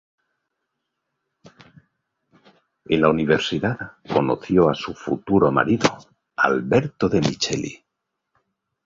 En la Universidad conoció a su futuro marido, Alberto Demicheli.